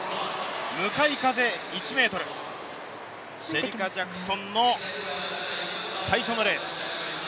向かい風１ｍ、シェリカ・ジャクソンの最初のレース。